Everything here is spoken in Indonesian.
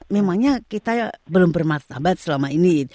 memangnya kita belum bermartabat selama ini